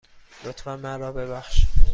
لطفاً من را ببخش.